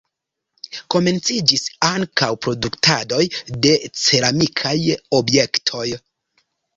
Komenciĝis ankaŭ produktadoj de ceramikaj objektoj.